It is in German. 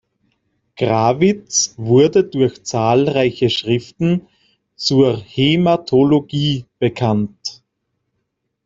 Grawitz wurde durch zahlreiche Schriften zur Hämatologie bekannt.